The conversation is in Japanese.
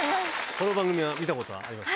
この番組は見たことありますか？